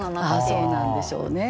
そうなんでしょうね。